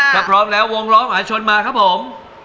ถ้าพร้อมแล้ววงล้อมหาชนมาครับผม